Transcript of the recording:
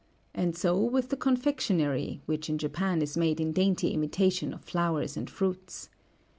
And so with the confectionery, which in Japan is made in dainty imitation of flowers and fruits.